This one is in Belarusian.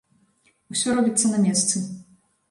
Усё робіцца на месцы.